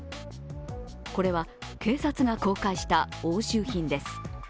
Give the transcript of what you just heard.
これは警察が公開した押収品です。